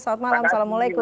selamat malam assalamualaikum